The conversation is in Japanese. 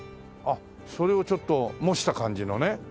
それをちょっと模した感じのね。